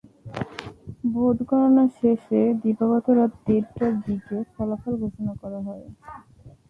Vote গণনা শেষে দিবাগত রাত দেড়টার দিকে ফলাফল ঘোষণা করা হয়।